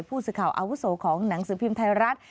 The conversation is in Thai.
ผู้สื่อข่าวอาวุโสของหนังสือพิมพ์ไทยรัฐ